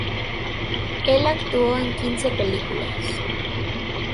Él actuó en quince películas.